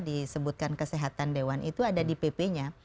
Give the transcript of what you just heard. disebutkan kesehatan dewan itu ada di pp nya